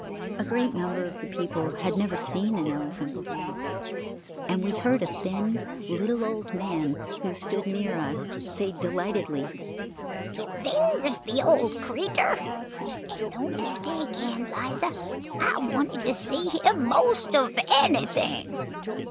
A great number of the people had never seen an elephant before, and we heard a thin, little old man, who stood near us, say delightedly: "There's the old creatur', and no mistake, Ann 'Liza. I wanted to see him most of anything.